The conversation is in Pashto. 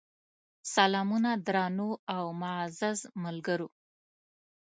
سلامونه درنو او معزز ملګرو!